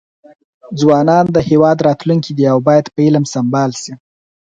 ځوانان د هیواد راتلونکي دي او باید په علم سمبال شي.